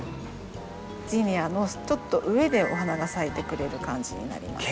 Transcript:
ジニアのちょっと上でお花が咲いてくれる感じになります。